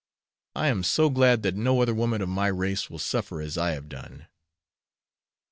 I am so glad that no other woman of my race will suffer as I have done."